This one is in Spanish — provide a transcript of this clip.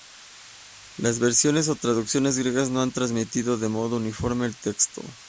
Las versiones o traducciones griegas no han transmitido de modo uniforme el texto.